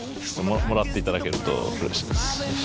もらっていただけるとうれしいです。